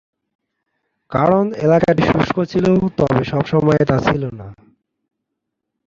কারণ এলাকাটি শুষ্ক ছিল তবে সবসময় তা ছিল না।